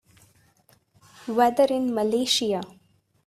Weather in Malaysia